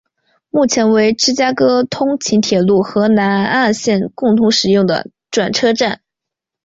目前为芝加哥通勤铁路和南岸线共同使用的转车站。